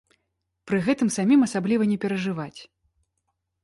Пры гэтым самім асабліва не перажываць.